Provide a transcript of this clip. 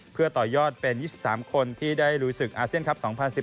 เพื่อต่อยอดเป็น๒๓คนที่ได้ลุยศึกอาเซียนคลับ๒๐๑๘